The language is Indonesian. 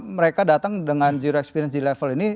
mereka datang dengan experience di level ini